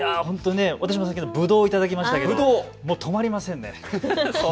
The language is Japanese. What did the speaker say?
私も最近ぶどうを頂きましたけどもう止まりませんね。